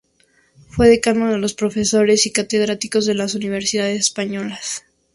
Fue decano de los profesores y catedráticos de las universidades españolas.